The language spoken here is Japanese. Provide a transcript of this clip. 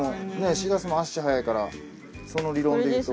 シラスも足早いからその理論でいうと。